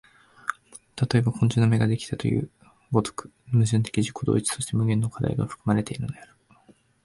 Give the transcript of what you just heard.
例えば昆虫の眼ができたという如く、矛盾的自己同一として無限の課題が含まれているのである。